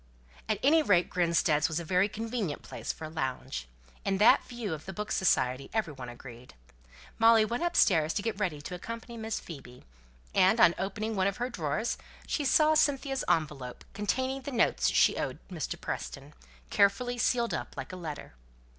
At any rate, Grinstead's was a very convenient place for a lounge. In that view of the Book Society every one agreed. Molly went upstairs to get ready to accompany Miss Phoebe; and on opening one of her drawers she saw Cynthia's envelope, containing the money she owed to Mr. Preston, carefully sealed up like a letter.